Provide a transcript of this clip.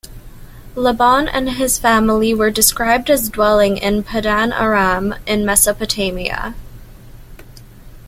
Laban and his family were described as dwelling in Paddan Aram, in Mesopotamia.